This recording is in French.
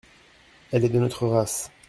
Elle est de notre race.